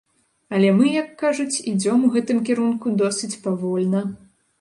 Але мы, як кажуць, ідзём у гэтым кірунку досыць павольна.